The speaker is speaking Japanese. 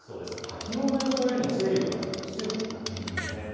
きのうの予想よりも勢力が強くなってきています。